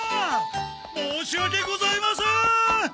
申し訳ございません！